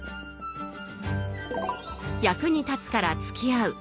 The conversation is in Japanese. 役に立つからつきあう